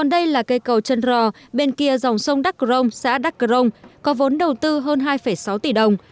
cây cầu trân rò bên kia dòng sông đắc rôm xã đắc rôm có vốn đầu tư hơn hai sáu tỷ đồng